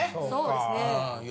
そうですね。